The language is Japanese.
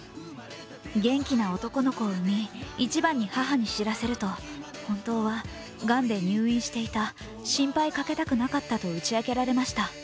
元気な男の子を産み、一番に母に知らせると、本当は、がんで入院していた、心配かけたくなかったと打ち明けられました。